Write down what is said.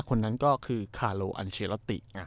คนนั้นก็คือคาโลอัลเชลอติ